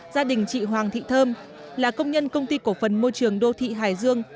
gia đình chị hoàng thị thơm là công nhân công ty cổ phần môi trường đô thị hải dương